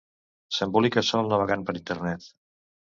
S'embolica sol navegant per internet.